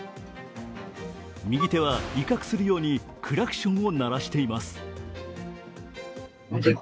右手は威嚇するようにクラクションを鳴らしています。